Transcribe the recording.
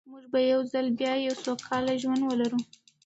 موږ به یو ځل بیا یو سوکاله ژوند ولرو.